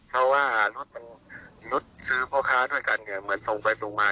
เพราะว่ารถซื้อมีค่าด้วยกันส่งไปส่งมา